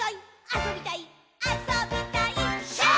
あそびたいっ！！」